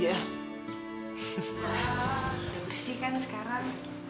ya udah bersihkan sekarang